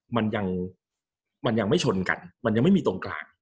มันยังมันยังไม่ชนกันมันยังไม่มีตรงกลาง